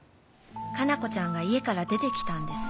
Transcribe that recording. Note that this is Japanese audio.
加奈子ちゃんが家から出てきたんです。